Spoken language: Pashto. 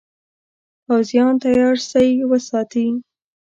پوځیان تیار سی وساتي.